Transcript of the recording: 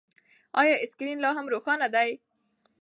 ایا سکرین لا هم روښانه دی؟